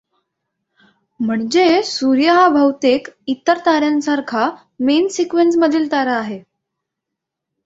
म्हणजे सूर्य हा बहुतेक इतर तार् यांसारखा मेन सिक्वेन्स मधील तारा आहे.